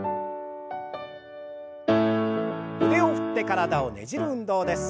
腕を振って体をねじる運動です。